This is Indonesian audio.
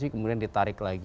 kemudian ditarik lagi